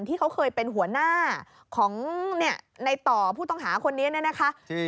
ที่เขาเคยเป็นหัวหน้าของในต่อผู้ต้องหาคนนี้นั่นแหละคะ